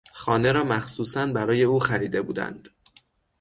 خانه را مخصوصا برای او خریده بودند.